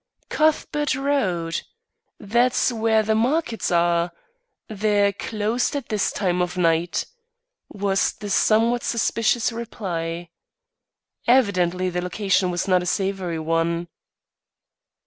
"Cuthbert Road! That's where the markets are. They're closed at this time of night," was the somewhat suspicious reply. Evidently the location was not a savoury one.